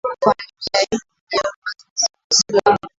Familia hiyo ni ya waislamu